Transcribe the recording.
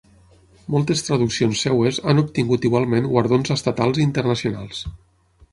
Moltes traduccions seves han obtingut igualment guardons estatals i internacionals.